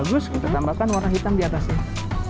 untuk yang lebih bagus kita tambahkan warna hitam di atasnya